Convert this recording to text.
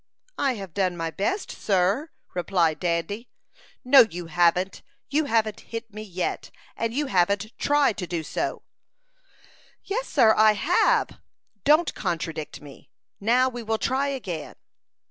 "I have done my best, sir," replied Dandy. "No, you haven't. You haven't hit me yet, and you haven't tried to do so." "Yes, sir, I have." "Don't contradict me. Now we will try again."